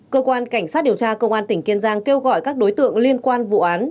cơ quan cảnh sát điều tra công an tỉnh kiên giang kêu gọi các đối tượng liên quan vụ án